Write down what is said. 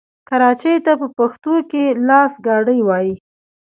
کراچۍ ته په پښتو کې لاسګاډی وايي.